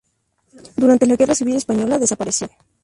Durante la guerra civil española desapareció.